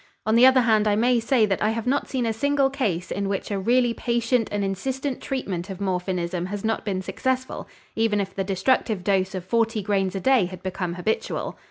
On the other hand, I may say that I have not seen a single case in which a really patient and insistent treatment of morphinism has not been successful, even if the destructive dose of forty grains a day had become habitual.